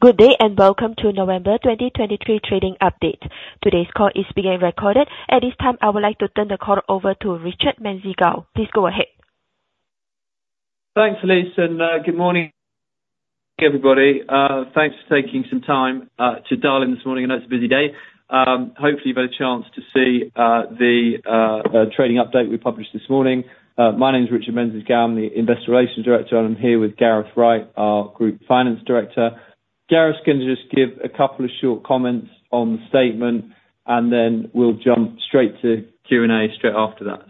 Good day, and welcome to November 2023 trading update. Today's call is being recorded. At this time, I would like to turn the call over to Richard Menzies-Gow. Please go ahead. Thanks, Elise, and good morning, everybody. Thanks for taking some time to dial in this morning. I know it's a busy day. Hopefully, you've had a chance to see the trading update we published this morning. My name is Richard Menzies-Gow. I'm the Investor Relations Director, and I'm here with Gareth Wright, our Group Finance Director. Gareth is going to just give a couple of short comments on the statement, and then we'll jump straight to Q&A straight after that.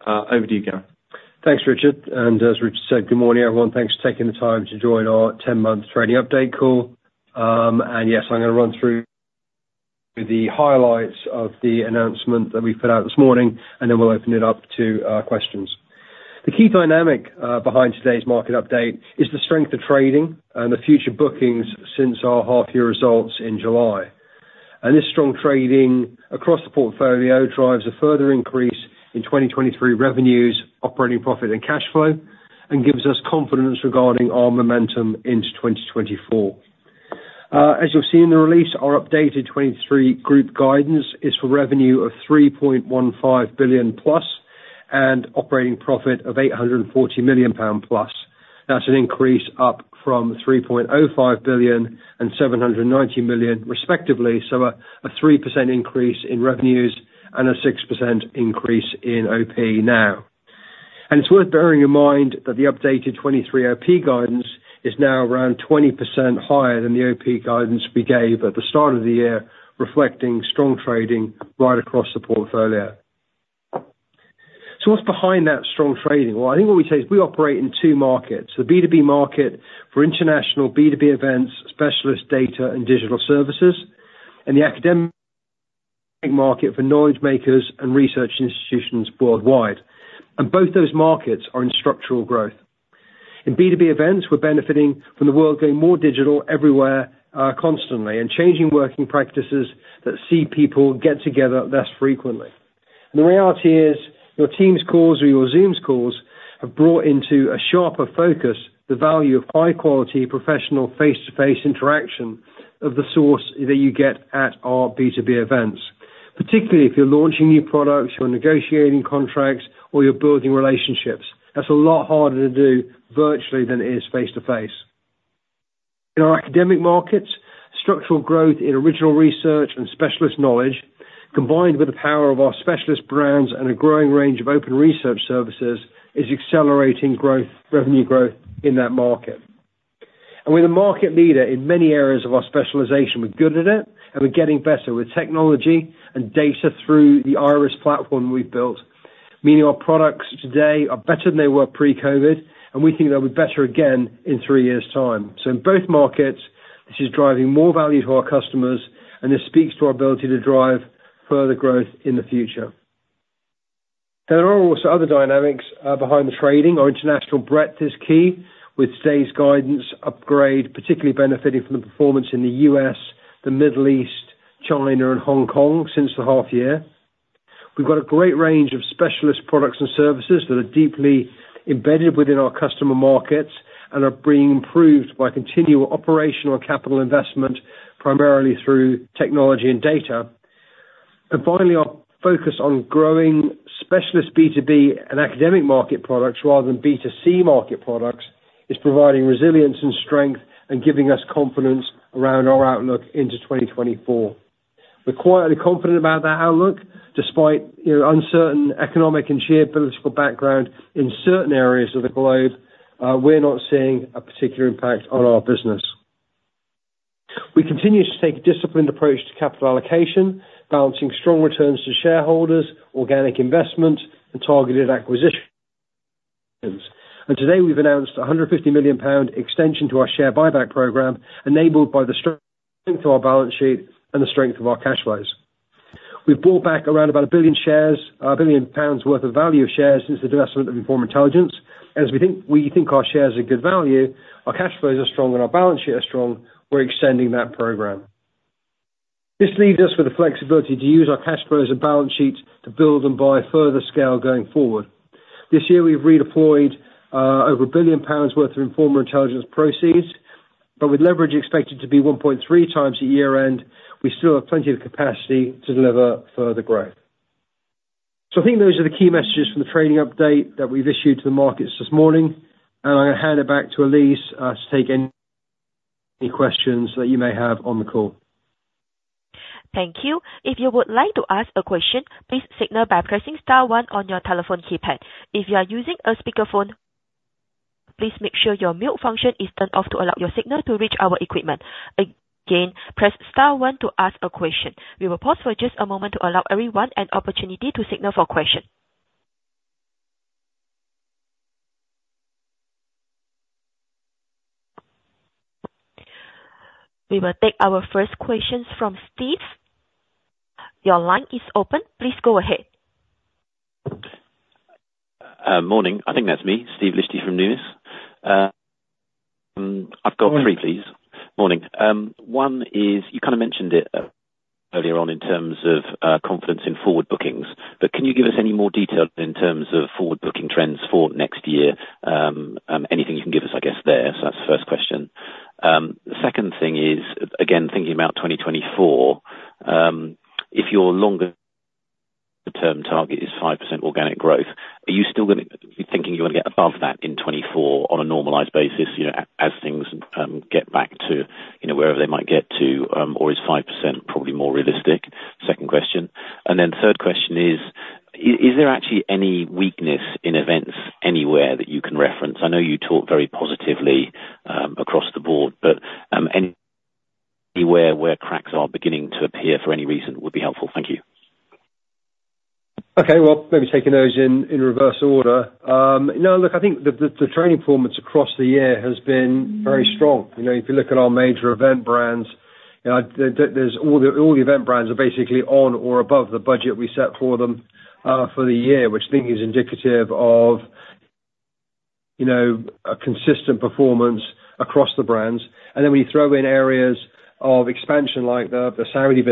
Over to you, Gareth. Thanks, Richard, and as Richard said, good morning, everyone. Thanks for taking the time to join our ten-month trading update call. And yes, I'm gonna run through the highlights of the announcement that we put out this morning, and then we'll open it up to questions. The key dynamic behind today's market update is the strength of trading and the future bookings since our half-year results in July. This strong trading across the portfolio drives a further increase in 2023 revenues, operating profit and cash flow, and gives us confidence regarding our momentum into 2024. As you'll see in the release, our updated 2023 group guidance is for revenue of 3.15 billion plus and operating profit of 840 million pound plus. That's an increase up from 3.05 billion and 790 million, respectively, so a 3% increase in revenues and a 6% increase in OP now. It's worth bearing in mind that the updated 2023 OP guidance is now around 20% higher than the OP guidance we gave at the start of the year, reflecting strong trading right across the portfolio. What's behind that strong trading? Well, I think what we say is we operate in two markets: the B2B market for international B2B events, specialist data, and digital services, and the academic market for knowledge makers and research institutions worldwide. Both those markets are in structural growth. In B2B events, we're benefiting from the world going more digital everywhere, constantly, and changing working practices that see people get together less frequently. The reality is, your Teams calls or your Zooms calls have brought into a sharper focus the value of high-quality, professional, face-to-face interaction of the source that you get at our B2B events. Particularly, if you're launching new products, you're negotiating contracts, or you're building relationships, that's a lot harder to do virtually than it is face to face. In our academic markets, structural growth in original research and specialist knowledge, combined with the power of our specialist brands and a growing range of open research services, is accelerating growth, revenue growth in that market. We're the market leader in many areas of our specialization. We're good at it, and we're getting better with technology and data through the IIRIS platform we've built, meaning our products today are better than they were pre-COVID, and we think they'll be better again in three years' time. So in both markets, this is driving more value to our customers, and this speaks to our ability to drive further growth in the future. There are also other dynamics behind the trading. Our international breadth is key, with today's guidance upgrade, particularly benefiting from the performance in the U.S., the Middle East, China, and Hong Kong since the half year. We've got a great range of specialist products and services that are deeply embedded within our customer markets and are being improved by continual operational capital investment, primarily through technology and data. And finally, our focus on growing specialist B2B and academic market products rather than B2C market products, is providing resilience and strength and giving us confidence around our outlook into 2024. We're quietly confident about that outlook. Despite, you know, uncertain economic and geopolitical background in certain areas of the globe, we're not seeing a particular impact on our business. We continue to take a disciplined approach to capital allocation, balancing strong returns to shareholders, organic investment, and targeted acquisitions. Today, we've announced a 150 million pound extension to our share buyback program, enabled by the strength of our balance sheet and the strength of our cash flows. We've bought back around about 1 billion shares, 1 billion pounds worth of value of shares since the divestment of Informa Intelligence. As we think, we think our shares are good value, our cash flows are strong, and our balance sheet is strong, we're extending that program. This leaves us with the flexibility to use our cash flows and balance sheets to build and buy further scale going forward. This year, we've redeployed over 1 billion pounds worth of Informa Intelligence proceeds, but with leverage expected to be 1.3 times the year-end, we still have plenty of capacity to deliver further growth. So I think those are the key messages from the trading update that we've issued to the markets this morning, and I'm going to hand it back to Elise to take any questions that you may have on the call. Thank you. If you would like to ask a question, please signal by pressing star one on your telephone keypad. If you are using a speakerphone, please make sure your mute function is turned off to allow your signal to reach our equipment. Again, press star one to ask a question. We will pause for just a moment to allow everyone an opportunity to signal for question. We will take our first question from Steve. Your line is open. Please go ahead. Morning. I think that's me, Steve Liechti from Numis. I've got three, please. Morning. One is, you kind of mentioned it earlier on in terms of confidence in forward bookings. But can you give us any more detail in terms of forward booking trends for next year? Anything you can give us, I guess, there? So that's the first question. The second thing is, again, thinking about 2024, if your longer-term target is 5% organic growth, are you still thinking you're gonna get above that in 2024 on a normalized basis, you know, as things get back to, you know, wherever they might get to, or is 5% probably more realistic? Second question. And then third question is, is there actually any weakness in events anywhere that you can reference? I know you talked very positively, across the board, but anywhere where cracks are beginning to appear for any reason would be helpful. Thank you. Okay, well, maybe taking those in reverse order. No, look, I think the trading performance across the year has been very strong. You know, if you look at our major event brands, you know, there's all the event brands are basically on or above the budget we set for them for the year, which I think is indicative of, you know, a consistent performance across the brands. And then when you throw in areas of expansion like the Saudi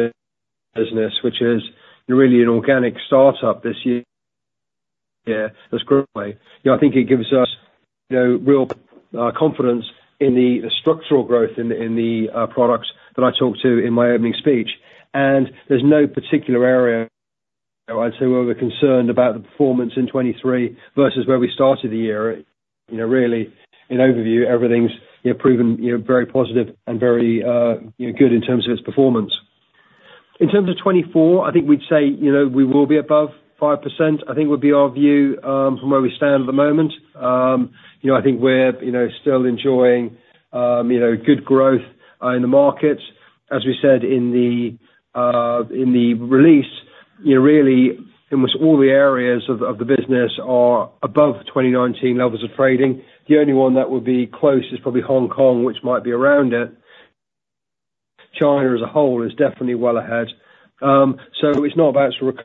business, which is really an organic startup this year, yeah, that's growing. You know, I think it gives us, you know, real confidence in the structural growth in the products that I talked to in my opening speech, and there's no particular area where I'd say, where we're concerned about the performance in 2023, versus where we started the year. You know, really, in overview, everything's, you know, proven, you know, very positive and very, you know, good in terms of its performance. In terms of 2024, I think we'd say, you know, we will be above 5%, I think would be our view from where we stand at the moment. You know, I think we're, you know, still enjoying, you know, good growth in the markets. As we said in the release, you know, really, almost all the areas of the business are above 2019 levels of trading. The only one that would be close is probably Hong Kong, which might be around it. China, as a whole, is definitely well ahead. So it's not about sort of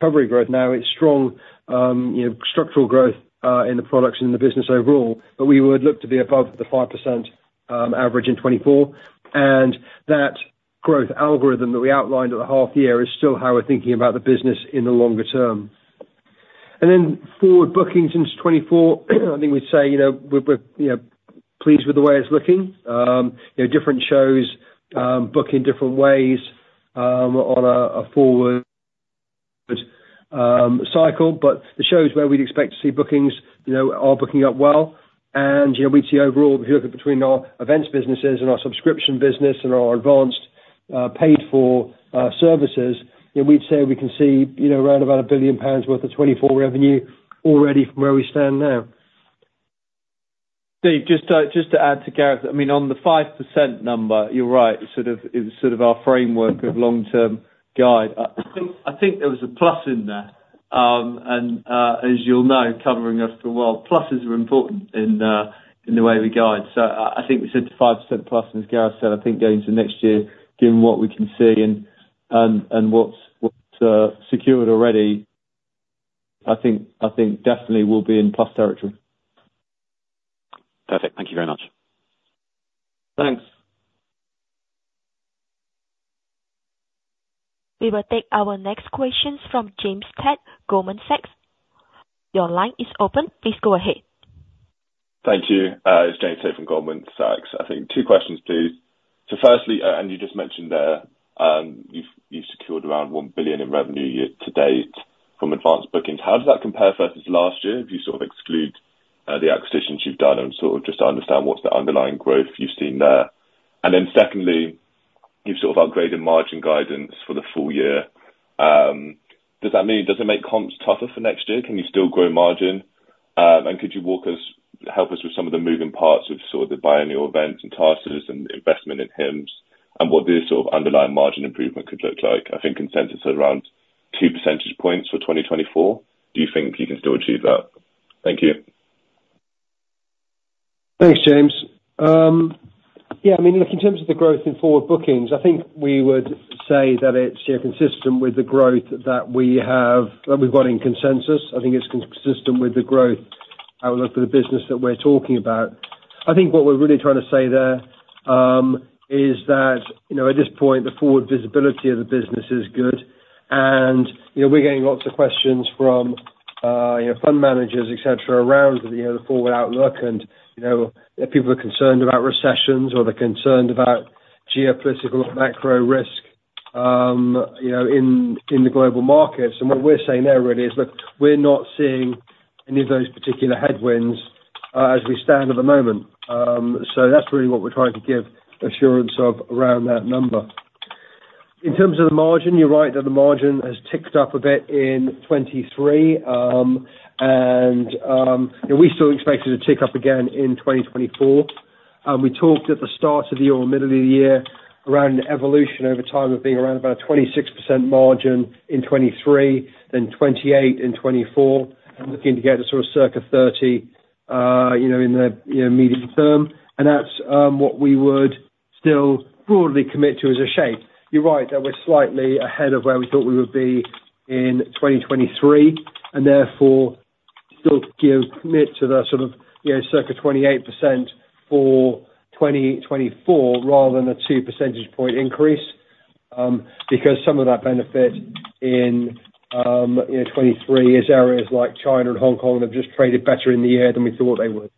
recovery growth now, it's strong, you know, structural growth in the products and the business overall, but we would look to be above the 5% average in 2024. And that growth algorithm that we outlined at the half year is still how we're thinking about the business in the longer term. And then forward bookings into 2024, I think we'd say, you know, we're pleased with the way it's looking. You know, different shows book in different ways on a forward cycle, but the shows where we'd expect to see bookings, you know, are booking up well, and, you know, we'd see overall, if you look between our events businesses, and our subscription business, and our advanced paid for services, you know, we'd say we can see, you know, around about 1 billion pounds worth of 2024 revenue already from where we stand now. Steve, just to add to Gareth, I mean, on the 5% number, you're right, it's sort of our framework of long-term guide. I think there was a plus in there. And as you'll know, covering us for a while, pluses are important in the way we guide. So I think we said 5% plus, and as Gareth said, I think going to next year, given what we can see and what's secured already, I think definitely we'll be in plus territory. Perfect. Thank you very much. Thanks! We will take our next question from James Tate, Goldman Sachs. Your line is open. Please go ahead. Thank you. It's James Tate from Goldman Sachs. I think two questions, please. So firstly, and you just mentioned there, you've secured around 1 billion in revenue year to date from advanced bookings. How does that compare versus last year, if you sort of exclude the acquisitions you've done and sort of just to understand what's the underlying growth you've seen there? And then secondly, you've sort of upgraded margin guidance for the full year. Does that mean, does it make comps tougher for next year? Can you still grow margin? And could you walk us, help us with some of the moving parts of sort of the biennial events and Tarsus and investment in HIMSS, and what this sort of underlying margin improvement could look like? I think consensus is around two percentage points for 2024. Do you think you can still achieve that? Thank you. Thanks, James. Yeah, I mean, look, in terms of the growth in forward bookings, I think we would say that it's, you know, consistent with the growth that we have, that we've got in consensus. I think it's consistent with the growth outlook for the business that we're talking about. I think what we're really trying to say there is that, you know, at this point, the forward visibility of the business is good, and, you know, we're getting lots of questions from, you know, fund managers, et cetera, around, you know, the forward outlook and, you know, if people are concerned about recessions, or they're concerned about geopolitical macro risk, you know, in, in the global markets. And what we're saying there really is, look, we're not seeing any of those particular headwinds, as we stand at the moment. So that's really what we're trying to give assurance of, around that number. In terms of the margin, you're right that the margin has ticked up a bit in 2023. And we still expect it to tick up again in 2024. We talked at the start of the year or middle of the year, around the evolution over time of being around about a 26% margin in 2023, then 28% in 2024, and looking to get to sort of circa 30%, you know, in the medium term. And that's what we would still broadly commit to as a shape. You're right, that we're slightly ahead of where we thought we would be in 2023, and therefore-... Still give commitment to the sort of, you know, circa 28% for 2024, rather than a two percentage point increase, because some of that benefit in, you know, 2023 is areas like China and Hong Kong have just traded better in the year than we thought they would.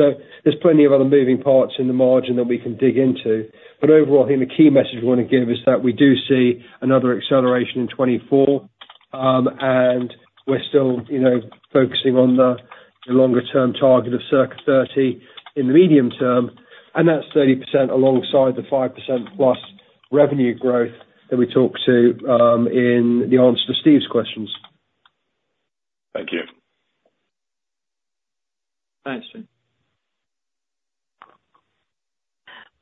So there's plenty of other moving parts in the margin that we can dig into, but overall, I think the key message we want to give is that we do see another acceleration in 2024. And we're still, you know, focusing on the, the longer term target of circa 30% in the medium term, and that's 30% alongside the 5%+ revenue growth that we talked to, in the answer to Steve's questions. Thank you. Thanks, Steve.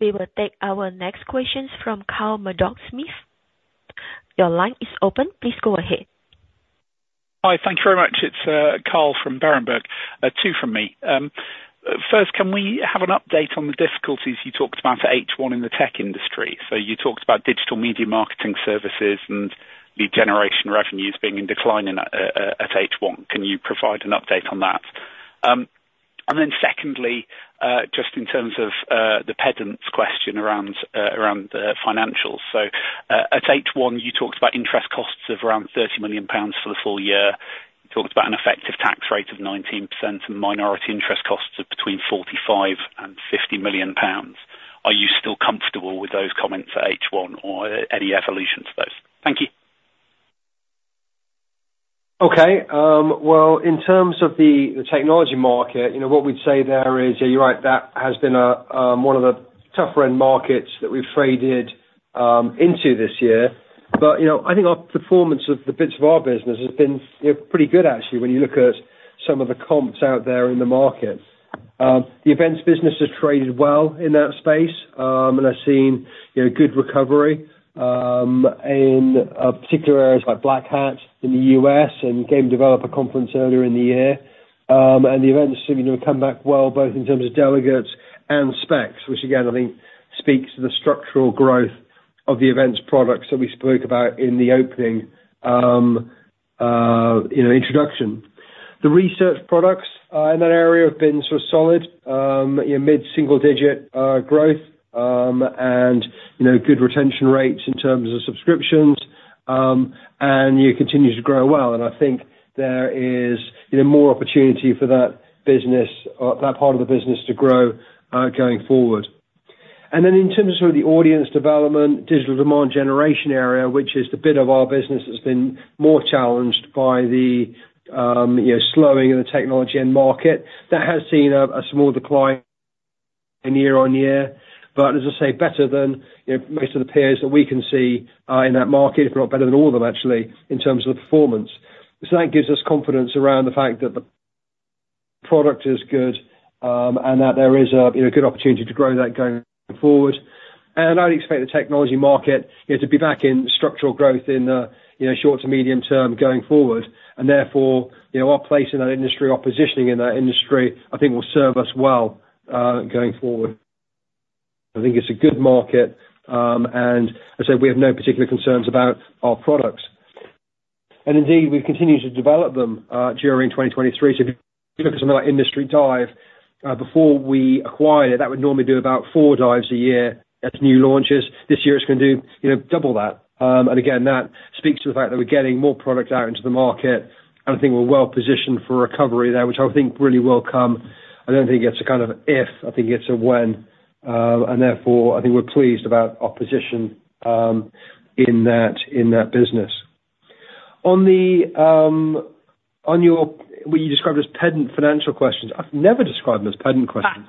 We will take our next questions from Carl Murdock Smith. Your line is open. Please go ahead. Hi. Thank you very much. It's Carl from Berenberg. Two from me. First, can we have an update on the difficulties you talked about for H1 in the tech industry? So you talked about digital media marketing services and lead generation revenues being in decline in at H1. Can you provide an update on that? And then secondly, just in terms of the pedant's question around financials. So at H1, you talked about interest costs of around 30 million pounds for the full year. You talked about an effective tax rate of 19% and minority interest costs of between 45 million and 50 million pounds. Are you still comfortable with those comments at H1 or any evolution to those? Thank you. Okay. Well, in terms of the technology market, you know, what we'd say there is, yeah, you're right, that has been a one of the tougher end markets that we've traded into this year. But, you know, I think our performance of the bits of our business has been, you know, pretty good actually, when you look at some of the comps out there in the market. The events business has traded well in that space, and has seen, you know, good recovery, in particular areas like Black Hat in the U.S. and Game Developer Conference earlier in the year. And the events seem to have come back well, both in terms of delegates and specs, which again, I think speaks to the structural growth of the events products that we spoke about in the opening, you know, introduction. The research products in that area have been sort of solid, you know, mid-single digit growth, and, you know, good retention rates in terms of subscriptions, and yeah, continue to grow well. And I think there is, you know, more opportunity for that business or that part of the business to grow, going forward. And then in terms of the audience development, digital demand generation area, which is the bit of our business that's been more challenged by the, you know, slowing in the technology end market, that has seen a small decline in year-on-year. But as I say, better than, you know, most of the peers that we can see in that market, if not better than all of them, actually, in terms of the performance. So that gives us confidence around the fact that the product is good, and that there is a, you know, good opportunity to grow that going forward. I'd expect the technology market, you know, to be back in structural growth in the, you know, short to medium term going forward. And therefore, you know, our place in that industry, our positioning in that industry, I think will serve us well, going forward. I think it's a good market, and I said we have no particular concerns about our products. And indeed, we've continued to develop them, during 2023. So if you look at something like Industry Dive, before we acquired it, that would normally do about 4 dives a year. That's new launches. This year it's gonna do, you know, double that. Again, that speaks to the fact that we're getting more product out into the market, and I think we're well positioned for recovery there, which I think really will come. I don't think it's a kind of if, I think it's a when. And therefore, I think we're pleased about our position, in that, in that business. On your what you described as pedantic financial questions, I've never described them as pedantic questions.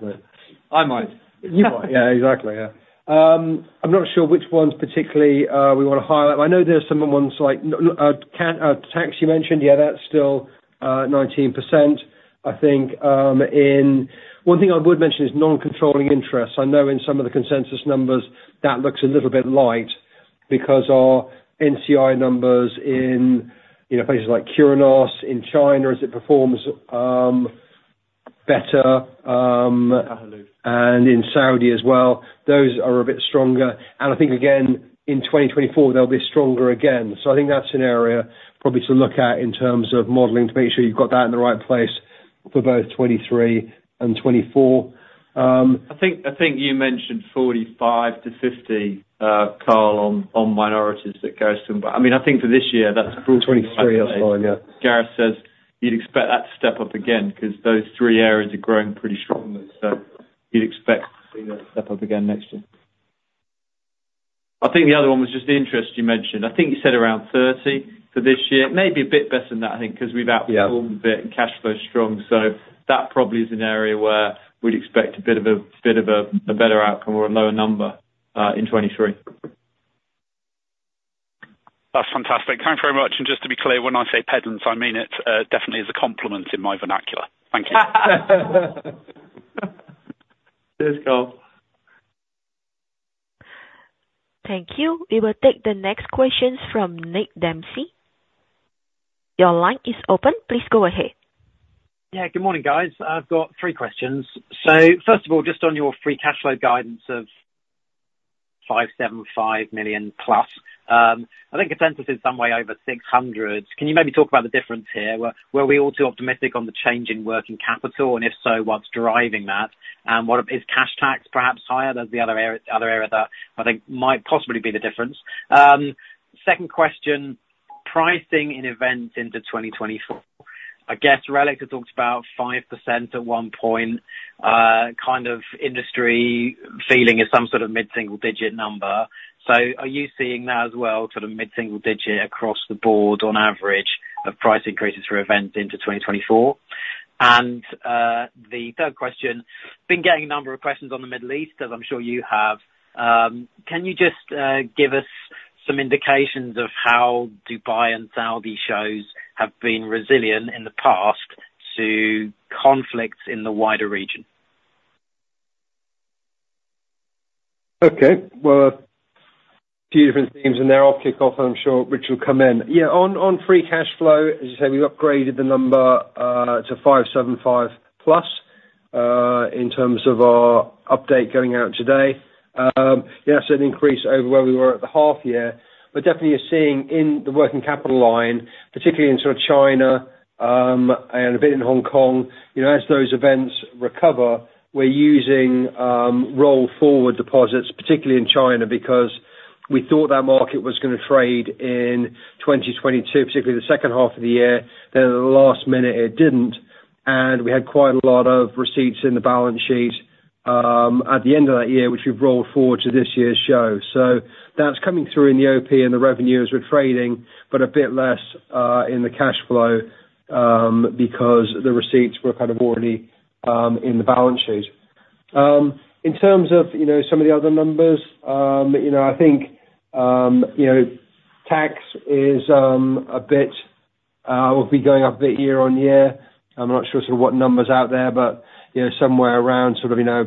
I might. You might. Yeah, exactly, yeah. I'm not sure which ones particularly we want to highlight. I know there's some ones like CapEx you mentioned. Yeah, that's still 19%. I think. One thing I would mention is non-controlling interests. I know in some of the consensus numbers, that looks a little bit light because our NCI numbers in, you know, places like Curinos, in China, as it performs better, and in Saudi as well, those are a bit stronger. And I think again, in 2024, they'll be stronger again. So I think that's an area probably to look at in terms of modeling, to make sure you've got that in the right place for both 2023 and 2024. I think, I think you mentioned 45-50, Carl, on, on minorities at Karsten. But I mean, I think for this year, that's- 23, that's fine, yeah. Gareth says you'd expect that to step up again, because those three areas are growing pretty strongly. So you'd expect to see that step up again next year. I think the other one was just the interest you mentioned. I think you said around 30 for this year. Maybe a bit better than that, I think, because we've outperformed a bit, and cash flow is strong. So that probably is an area where we'd expect a bit of a better outcome or a lower number in 2023. That's fantastic. Thank you very much. And just to be clear, when I say pedants, I mean it, definitely as a compliment in my vernacular. Thank you. Thanks, Carl. Thank you. We will take the next questions from Nick Dempsey. Your line is open. Please go ahead. Yeah, good morning, guys. I've got three questions. So first of all, just on your free cash flow guidance of 575 million plus. I think your consensus is some way over 600 million. Can you maybe talk about the difference here? Were we all too optimistic on the change in working capital, and if so, what's driving that? And what? Is cash tax perhaps higher than the other area that I think might possibly be the difference? Second question, pricing in events into 2024. I guess RELX talked about 5% at one point, kind of industry feeling is some sort of mid-single digit number. So are you seeing that as well, sort of mid-single digit across the board on average, of price increases for events into 2024? The third question, been getting a number of questions on the Middle East, as I'm sure you have. Can you just give us some indications of how Dubai and Saudi shows have been resilient in the past to conflicts in the wider region? Okay, well, a few different themes in there. I'll kick off, and I'm sure Rich will come in. Yeah, on free cash flow, as you said, we upgraded the number to 575+, in terms of our update going out today. Yeah, that's an increase over where we were at the half year, but definitely you're seeing in the working capital line, particularly in sort of China, and a bit in Hong Kong, you know, as those events recover, we're using roll forward deposits, particularly in China, because we thought that market was gonna trade in 2022, particularly the second half of the year, then at the last minute, it didn't, and we had quite a lot of receipts in the balance sheet at the end of that year, which we've rolled forward to this year's show. So that's coming through in the OP, and the revenue is refraining, but a bit less in the cash flow, because the receipts were kind of already in the balance sheet. In terms of, you know, some of the other numbers, you know, I think, you know, tax is a bit will be going up a bit year-on-year. I'm not sure sort of what number's out there, but, you know, somewhere around sort of, you know,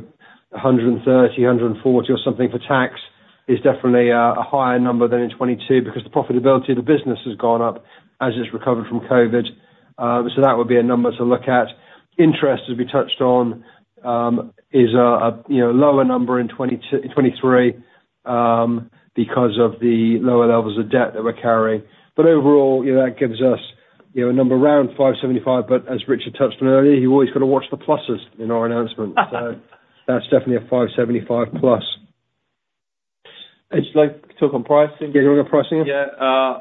130-140 or something for tax is definitely a higher number than in 2022, because the profitability of the business has gone up as it's recovered from COVID. So that would be a number to look at. Interest, as we touched on, you know, is a lower number in 2023, because of the lower levels of debt that we're carrying. But overall, you know, that gives us, you know, a number around 575, but as Richard touched on earlier, you've always got to watch the pluses in our announcement. So that's definitely a 575+. Would you like to talk on pricing? Yeah, you want pricing? Yeah.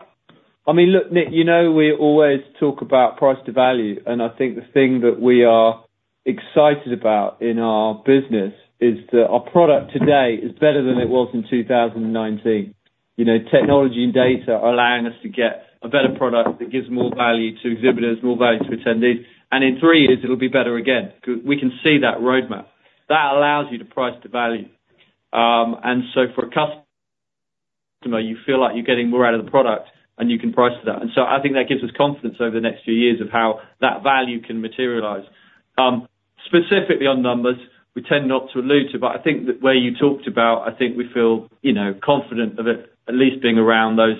I mean, look, Nick, you know, we always talk about price to value, and I think the thing that we are excited about in our business is that our product today is better than it was in 2019. You know, technology and data are allowing us to get a better product that gives more value to exhibitors, more value to attendees, and in three years it'll be better again. We can see that roadmap. That allows you to price the value. And so for a customer, you feel like you're getting more out of the product, and you can price to that. And so I think that gives us confidence over the next few years of how that value can materialize. Specifically on numbers, we tend not to allude to, but I think that where you talked about, I think we feel, you know, confident of it at least being around those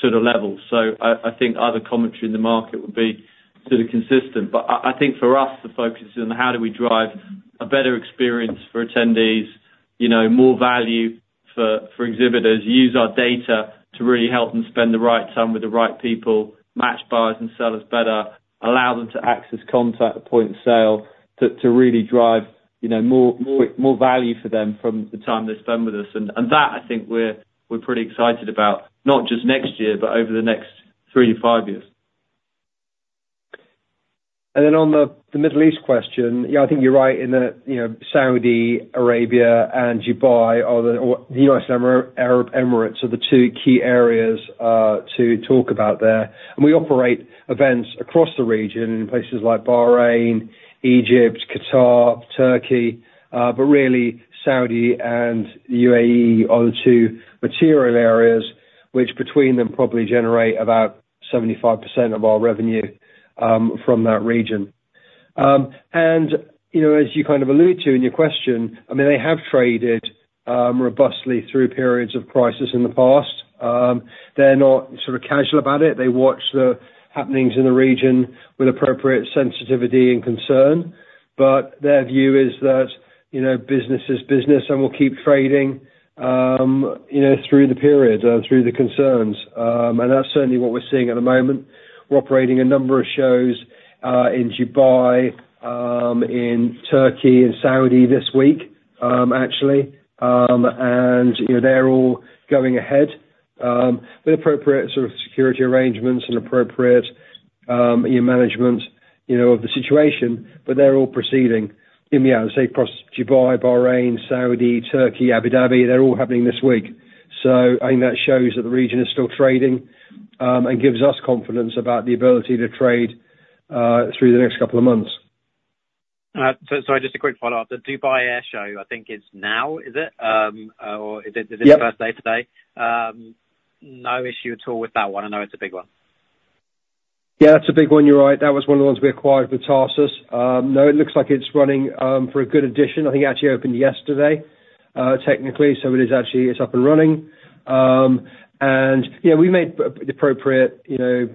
sort of levels. So I think other commentary in the market would be sort of consistent. But I think for us, the focus is on how do we drive a better experience for attendees, you know, more value for exhibitors, use our data to really help them spend the right time with the right people, match buyers and sellers better, allow them to access contact at the point of sale, to really drive, you know, more value for them from the time they've spent with us. And that, I think we're pretty excited about, not just next year, but over the next three to five years. Then on the Middle East question, yeah, I think you're right in that, you know, Saudi Arabia and Dubai are the or the United Arab Emirates are the two key areas to talk about there. And we operate events across the region in places like Bahrain, Egypt, Qatar, Turkey, but really Saudi and the UAE are the two material areas, which between them probably generate about 75% of our revenue from that region. And, you know, as you kind of allude to in your question, I mean, they have traded robustly through periods of crisis in the past. They're not sort of casual about it. They watch the happenings in the region with appropriate sensitivity and concern, but their view is that, you know, business is business, and we'll keep trading, you know, through the period, through the concerns. And that's certainly what we're seeing at the moment. We're operating a number of shows in Dubai, in Turkey and Saudi this week, actually, and, you know, they're all going ahead with appropriate sort of security arrangements and appropriate, you know management, you know, of the situation, but they're all proceeding. In the end, say, across Dubai, Bahrain, Saudi, Turkey, Abu Dhabi, they're all happening this week. So I think that shows that the region is still trading and gives us confidence about the ability to trade through the next couple of months. So, sorry, just a quick follow-up. The Dubai Airshow, I think is now, is it? or is it- Yep. the first day today? No issue at all with that one? I know it's a big one. Yeah, it's a big one. You're right. That was one of the ones we acquired with Tarsus. No, it looks like it's running for a good addition. I think it actually opened yesterday, technically, so it is actually up and running. And, yeah, we made the appropriate, you know,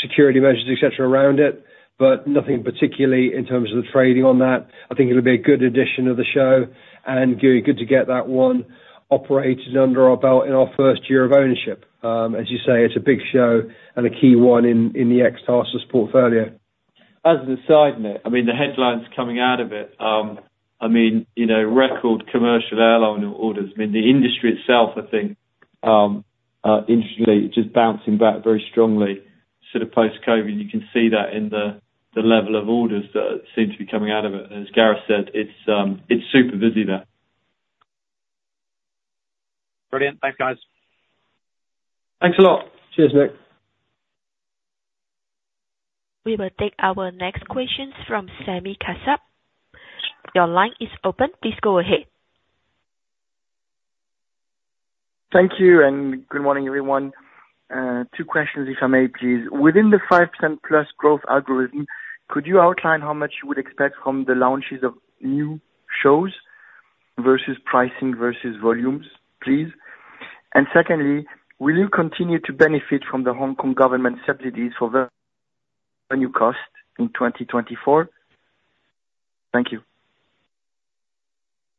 security measures, et cetera, around it, but nothing particularly in terms of the trading on that. I think it'll be a good addition of the show, and good to get that one operated under our belt in our first year of ownership. As you say, it's a big show and a key one in the Tarsus portfolio. As an aside, Nick, I mean, the headlines coming out of it, I mean, you know, record commercial airline orders. I mean, the industry itself, I think, interestingly, just bouncing back very strongly sort of post-COVID, and you can see that in the level of orders that seem to be coming out of it. And as Gareth said, it's super busy there. Brilliant. Thanks, guys. Thanks a lot. Cheers, Nick. We will take our next question from Sami Kassab. Your line is open. Please go ahead. Thank you, and good morning, everyone. Two questions, if I may, please. Within the 5%+ growth algorithm, could you outline how much you would expect from the launches of new shows versus pricing versus volumes, please? And secondly, will you continue to benefit from the Hong Kong government subsidies for the new cost in 2024? Thank you.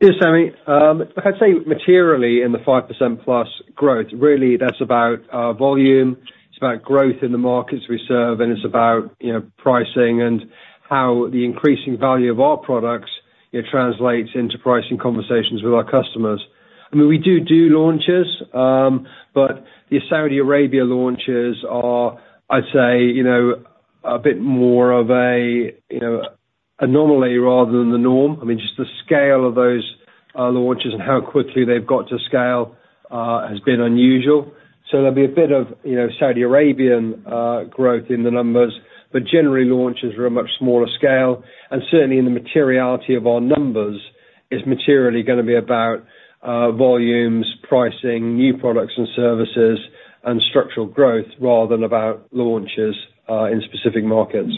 Yes, Sami. Like I say, materially, in the 5%+ growth, really, that's about volume. It's about growth in the markets we serve, and it's about, you know, pricing and how the increasing value of our products, it translates into pricing conversations with our customers. I mean, we do do launches, but the Saudi Arabia launches are, I'd say, you know, a bit more of a, you know, anomaly rather than the norm. I mean, just the scale of those launches and how quickly they've got to scale has been unusual. So there'll be a bit of, you know, Saudi Arabian growth in the numbers, but generally, launches are a much smaller scale, and certainly in the materiality of our numbers, is materially gonna be about volumes, pricing, new products and services, and structural growth, rather than about launches in specific markets.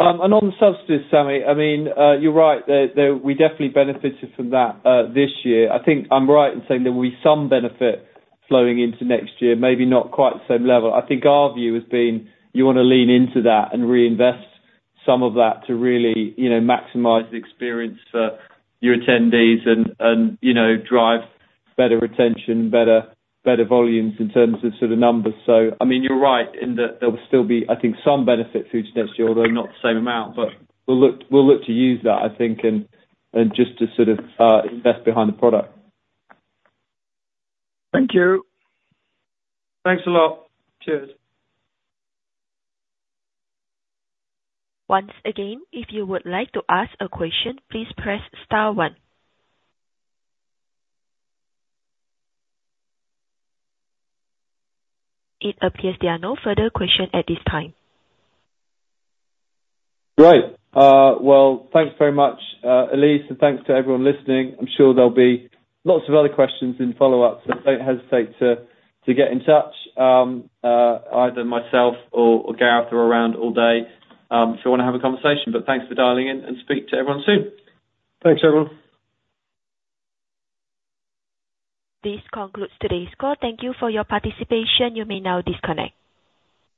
And on the subsidies, Sammy, I mean, you're right, we definitely benefited from that this year. I think I'm right in saying there will be some benefit flowing into next year, maybe not quite the same level. I think our view has been you wanna lean into that and reinvest some of that to really, you know, maximize the experience for your attendees and, you know, drive better retention, better volumes in terms of sort of numbers. So, I mean, you're right in that there will still be, I think, some benefit through to next year, although not the same amount. But we'll look to use that, I think, and just to sort of invest behind the product. Thank you. Thanks a lot. Cheers. Once again, if you would like to ask a question, please press star one. It appears there are no further questions at this time. Great. Well, thanks very much, Elise, and thanks to everyone listening. I'm sure there'll be lots of other questions in follow-up, so don't hesitate to get in touch. Either myself or Gareth are around all day, if you wanna have a conversation. But thanks for dialing in, and speak to everyone soon. Thanks, everyone. This concludes today's call. Thank you for your participation. You may now disconnect.